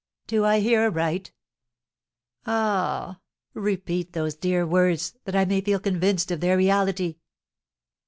Do I hear aright? Ah, repeat those dear words that I may feel convinced of their reality."